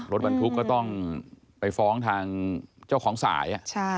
รถบรรทุกก็ต้องไปฟ้องทางเจ้าของสาย